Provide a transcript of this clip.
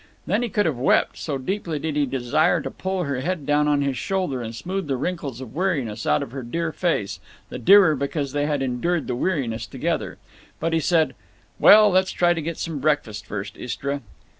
Then he could have wept, so deeply did he desire to pull her head down on his shoulder and smooth the wrinkles of weariness out of her dear face, the dearer because they had endured the weariness together. But he said, "Well, let's try to get some breakfast first, Istra."